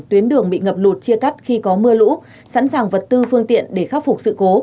tuyến đường bị ngập lụt chia cắt khi có mưa lũ sẵn sàng vật tư phương tiện để khắc phục sự cố